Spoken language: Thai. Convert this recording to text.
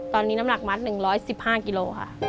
ตอนนี้น้ำหนักมัด๑๑๕กิโลค่ะ